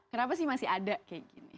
kenapa sih masih ada kayak gini